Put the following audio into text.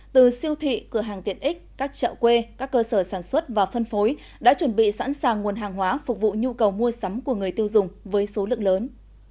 từ siêu thị cửa hàng tiện ích các chợ quê các cơ sở sản xuất và phân phối đã chuẩn bị sẵn sàng nguồn hàng hóa phục vụ nhu cầu mua sắm của người tiêu dùng với số lượng lớn